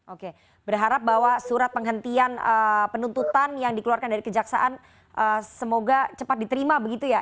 oke berharap bahwa surat penghentian penuntutan yang dikeluarkan dari kejaksaan semoga cepat diterima begitu ya